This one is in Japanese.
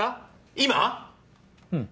今⁉うん。